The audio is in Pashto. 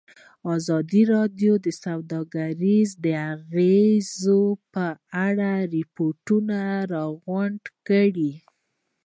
ازادي راډیو د سوداګري د اغېزو په اړه ریپوټونه راغونډ کړي.